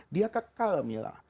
dia kekal milah